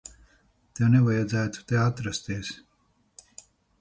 Tev nevajadzētu te atrasties.